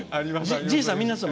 じいさん、みんなそう。